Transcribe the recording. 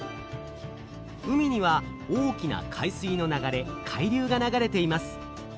海には大きな海水の流れ「海流」が流れています。